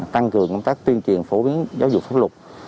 tăng cường công tác tuyên truyền phổ biến giáo dục pháp luật